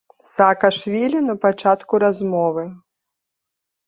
Саакашвілі на пачатку размовы.